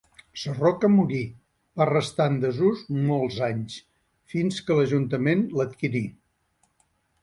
Sarroca morí, va restar en desús molts anys, fins que l'ajuntament l'adquirí.